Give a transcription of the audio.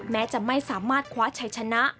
แม้จะไม่สามารถคว้าชัยชนะ